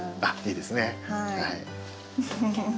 いいですね。